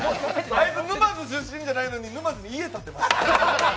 あいつ沼津出身じゃないのに沼津に家建てました。